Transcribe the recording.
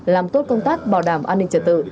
làm tốt công tác bảo đảm an ninh trật tự